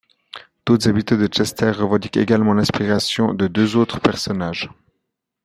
D'autres habitants de Chester revendiquent également l'inspiration de deux autres personnages.